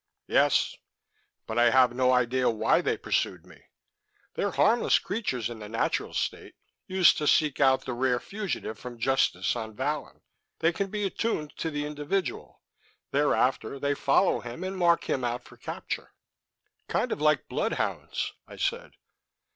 "Yes; but I have no idea why they pursued me. They're harmless creatures in the natural state, used to seek out the rare fugitive from justice on Vallon. They can be attuned to the individual; thereafter, they follow him and mark him out for capture." "Kind of like bloodhounds," I said.